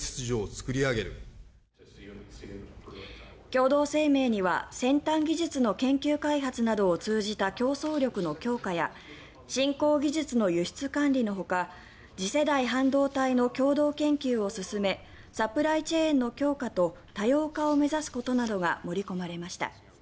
共同声明には先端技術の研究開発などを通じた競争力の強化や新興技術の輸出管理のほか次世代半導体の共同研究を進めサプライチェーンの強化と多様化を目指すことなどが盛り込まれました。